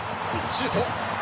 シュート。